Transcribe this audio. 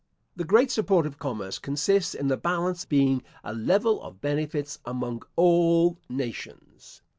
The great support of commerce consists in the balance being a level of benefits among all nations.